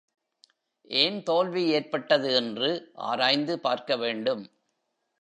ஏன் தோல்வி ஏற்பட்டது என்று ஆராய்ந்து பார்க்க வேண்டும்.